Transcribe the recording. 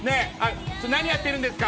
何やってるんですか？